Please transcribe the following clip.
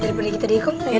dari beli kita di ikon